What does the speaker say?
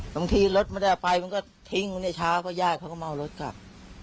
บางทีรถมันได้ไปมันก็ทิ้งเนี่ยเช้าก็ยากเขาก็มาเอารถกลับ